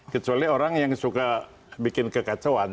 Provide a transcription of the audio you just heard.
kecuali orang yang suka bikin kekacauan